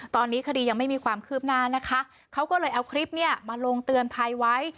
ตอนนี้คดียังไม่มีความคืบหน้านะคะเขาก็เลยเอาคลิปเนี่ยมาลงเตือนภัยไว้